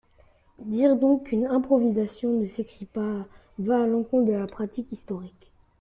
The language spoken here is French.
Dire donc qu'une improvisation ne s'écrit pas va à l'encontre de la pratique historique.